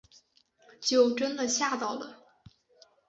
就真的吓到了